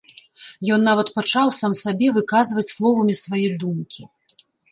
Ён нават пачаў сам сабе выказваць словамі свае думкі.